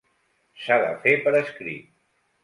S'ha de fer per escrit.